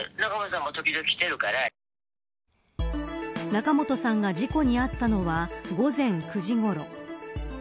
仲本さんが事故に遭ったのは午前９時ごろ。